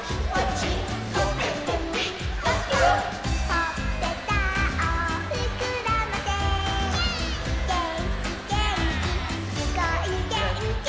「ほっぺたをふくらませげんきげんき」「すごいっげんき」